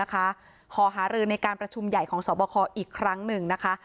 ขอหารือในการประชุมใหญ่ของสอบคออีกครั้งหนึ่งนะคะ